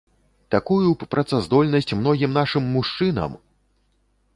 Такую б працаздольнасць многім нашым мужчынам!